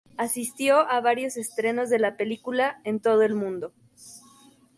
Asistió a varios estrenos de la película en todo el mundo.